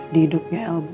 di hidupnya el bu